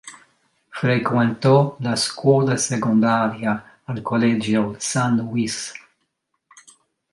Frequentò la scuola secondaria al collegio "San Luis".